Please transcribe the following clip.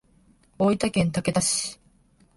大分県竹田市